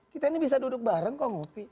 kita ini bisa duduk bareng kok ngopi